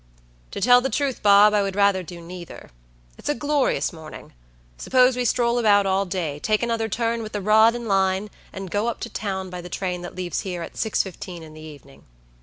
"To tell the truth, Bob, I would rather do neither. It's a glorious morning. Suppose we stroll about all day, take another turn with the rod and line, and go up to town by the train that leaves here at 6.15 in the evening?"